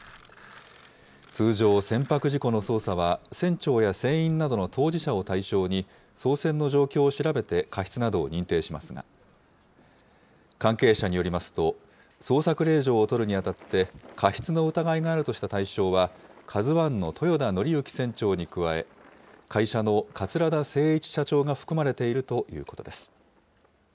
通常、船舶事故の捜査は、船長や船員などの当事者を対象に、操船の状況を調べて過失などを認定しますが、関係者によりますと、捜索令状を取るにあたって、過失の疑いがあるとした対象は、ＫＡＺＵＩの豊田徳幸船長に加え、会社の桂田精一社長が含まれているということです。